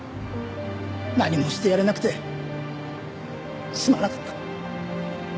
何もしてやれなくてすまなかった。